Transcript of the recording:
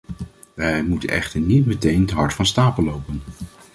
Wij moeten echter niet meteen te hard van stapel lopen.